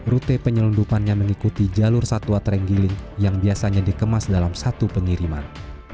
rute penyelundupannya mengikuti jalur satwa terenggiling yang biasanya dikemas dalam satu pengiriman